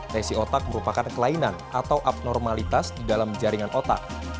resi otak merupakan kelainan atau abnormalitas di dalam jaringan otak